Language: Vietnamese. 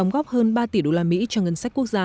có hơn ba tỉ đô la mỹ cho ngân sách quốc gia